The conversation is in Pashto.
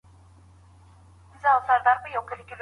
ښه انسان تل نورو ته احترام کوي